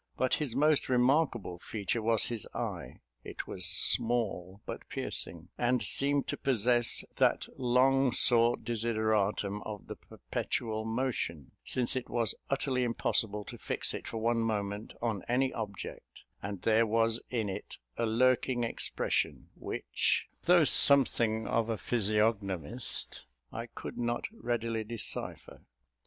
But his most remarkable feature was his eye; it was small, but piercing, and seemed to possess that long sought desideratum of the perpetual motion, since it was utterly impossible to fix it for one moment on any object: and there was in it a lurking expression, which, though something of a physiognomist, I could not readily decipher.